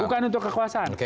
bukan untuk kekuasaan